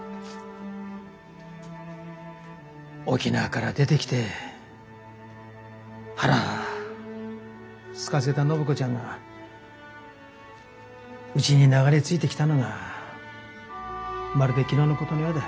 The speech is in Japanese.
沖縄から出てきて腹すかせた暢子ちゃんがうちに流れ着いてきたのがまるで昨日のことのようだ。